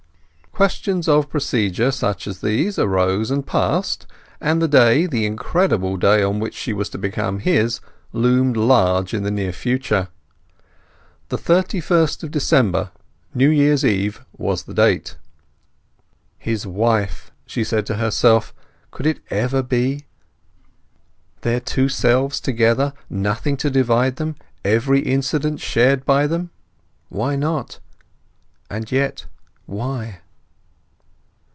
Questions of procedure such as these arose and passed, and the day, the incredible day, on which she was to become his, loomed large in the near future. The thirty first of December, New Year's Eve, was the date. His wife, she said to herself. Could it ever be? Their two selves together, nothing to divide them, every incident shared by them; why not? And yet why?